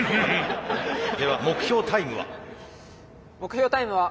では目標タイムは？